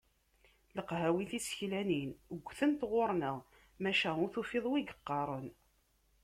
Leqhawi tiseklanin ggtent ɣur-neɣ, maca ur tufiḍ wi yeqqaren.